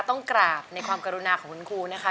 ต้องกราบในความกรุณาของคุณครูนะคะ